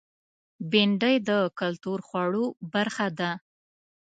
بېنډۍ د کلتور خوړو برخه ده